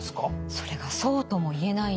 それがそうとも言えないんです。